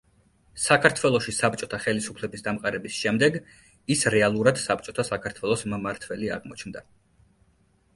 საქართველოში საბჭოთა ხელისუფლების დამყარების შემდეგ ის რეალურად საბჭოთა საქართველოს მმართველი აღმოჩნდა.